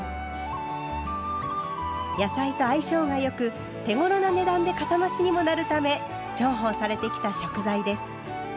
野菜と相性が良く手ごろな値段でかさ増しにもなるため重宝されてきた食材です。